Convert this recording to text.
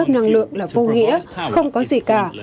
năng lượng là vô nghĩa không có gì cả